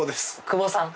久保さん